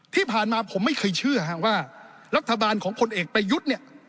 ที่ผ่านมาผมไม่เคยเชื่อว่ารัฐบาลของคนเอกประยุทธ์เนี่ย